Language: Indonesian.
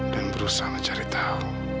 dan berusaha mencari tahu